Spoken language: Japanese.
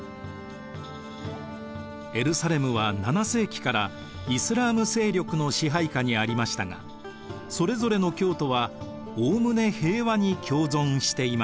エルサレムは７世紀からイスラーム勢力の支配下にありましたがそれぞれの教徒はおおむね平和に共存していました。